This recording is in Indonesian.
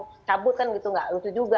mungkin dia mau cabut kan gitu nggak lucu juga